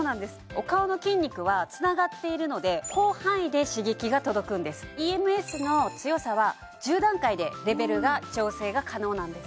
お顔の筋肉はつながっているので広範囲で刺激が届くんですでレベルが調整が可能なんです